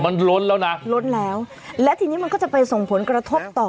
มันล้นแล้วนะล้นแล้วและทีนี้มันก็จะไปส่งผลกระทบต่อ